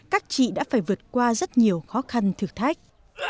các chị đã phải vượt qua rất nhiều khó khăn thử thách